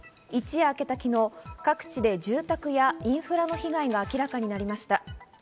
一夜明けた昨日、各地で住宅やインフラの被害が明らかになりました。